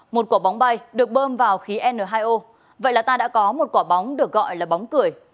một quả bóng bay được bơm vào khí n hai o vậy là ta đã có một quả bóng được gọi là bóng cười